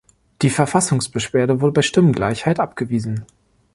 Die Verfassungsbeschwerde wurde bei Stimmengleichheit abgewiesen.